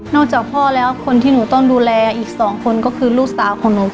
จากพ่อแล้วคนที่หนูต้องดูแลอีกสองคนก็คือลูกสาวของหนู